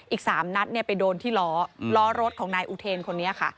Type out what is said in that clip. อีก๓นัดไปโดนที่ล้อล้อรถของนายอุเทนคนนี้ค่ะ